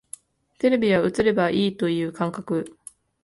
テレビは映ればいいという感覚